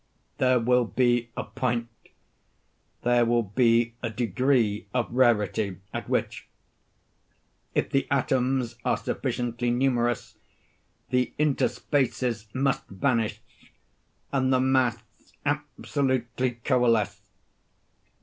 There will be a point—there will be a degree of rarity, at which, if the atoms are sufficiently numerous, the interspaces must vanish, and the mass absolutely coalesce.